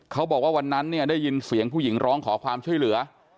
เขาบอกว่าวันนั้นเนี่ยได้ยินเสียงผู้หญิงร้องขอความช่วยเหลือ